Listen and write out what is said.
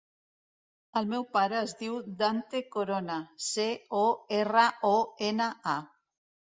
El meu pare es diu Dante Corona: ce, o, erra, o, ena, a.